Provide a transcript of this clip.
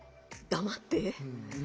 黙って？